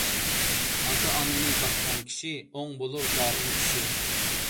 ئاتا - ئانىنى باققان كىشى، ئوڭ بولۇر دائىم ئىشى.